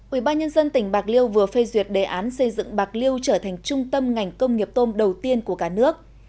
ubnd tỉnh bạc liêu vừa phê duyệt đề án xây dựng bạc liêu trở thành trung tâm ngành công nghiệp tôm đầu tiên của cả nước